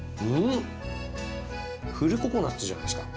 フルココナツじゃないですか。